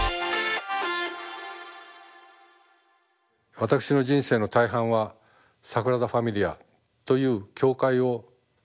私の人生の大半はサグラダ・ファミリアという教会を作るところにあるんです。